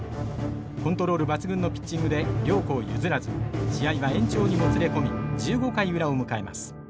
コントロール抜群のピッチングで両校譲らず試合は延長にもつれ込み１５回裏を迎えます。